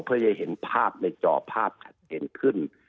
เพื่อจะเห็นภาพในจอภาพชัดเจนขึ้น